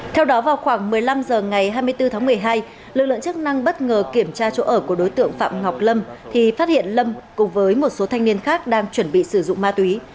theo đó vào khoảng một mươi năm h ngày hai mươi bốn tháng một mươi hai lực lượng chức năng bất ngờ kiểm tra chỗ ở của đối tượng phạm ngọc lâm thì phát hiện lâm cùng với một số thanh niên khác đang chuẩn bị sử dụng ma túy